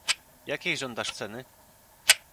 "Jakiej żądasz ceny?"